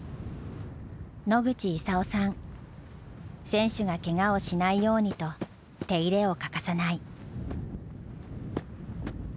選手がケガをしないようにと手入れを欠かさない。